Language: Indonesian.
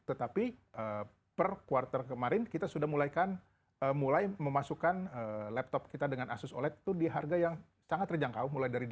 tetapi per quarter kemarin kita sudah mulai memasukkan laptop kita dengan asus oled itu di harga yang sangat terjangkau